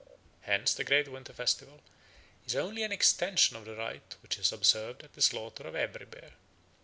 Hence the great winter festival is only an extension of the rite which is observed at the slaughter of every bear."